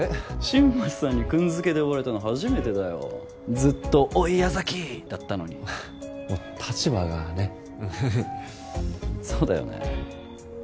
新町さんにくん付けで呼ばれたの初めてだよずっと「おい矢崎」だったのにもう立場がねっそうだよね